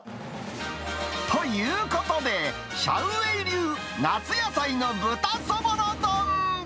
ということで、シャウ・ウェイ流、夏野菜の豚そぼろ丼。